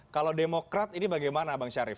kalau demokrat ini bagaimana bang syarif